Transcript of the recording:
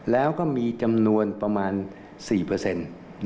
แล้วก็มีจำนวนประมาณ๔เปอร์เซ็นต์